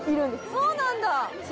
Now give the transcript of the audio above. そうなんだ。